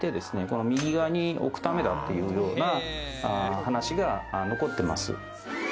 この右側に置くためだっていうような話が残ってます。